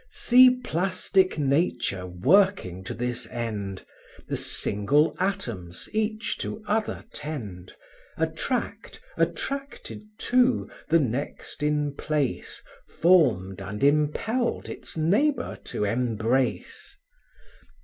See plastic Nature working to this end, The single atoms each to other tend, Attract, attracted to, the next in place Formed and impelled its neighbour to embrace.